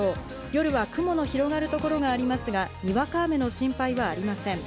夜は雲の広がる所がありますが、にわか雨の心配はありません。